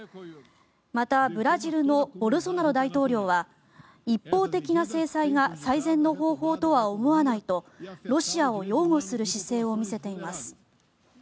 またブラジルのボルソナロ大統領は一方的な制裁が最善の方法とは思わないとロシアを擁護する姿勢を見せています。